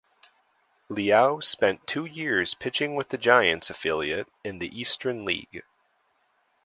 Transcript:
Liao spent two years pitching with the Giants affiliate in the Eastern League.